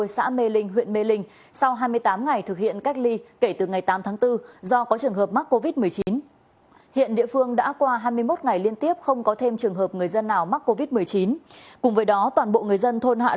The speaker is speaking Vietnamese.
xin chào các bạn